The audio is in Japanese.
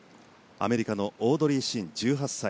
アメリカのオードリー・シン１８歳。